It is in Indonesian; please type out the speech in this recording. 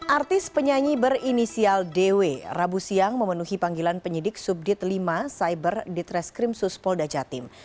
artis penyanyi berinisial dw rabu siang memenuhi panggilan penyidik subdit lima cyber ditreskrim suspolda jatim